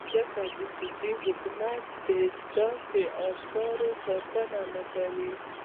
ځکه د سعودي حکومت داسې اثارو ساتنه نه کوي.